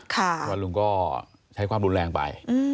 เพราะว่าลุงก็ใช้ความรุนแรงไป